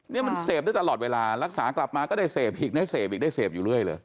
นี่มันเสพได้ตลอดเวลารักษากลับมาก็ได้เสพอีกได้เสพอีกได้เสพอยู่เรื่อยเลย